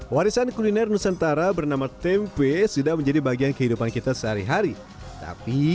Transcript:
warisan kuliner nusantara bernama tempe sudah menjadi bagian kehidupan kita sehari hari tapi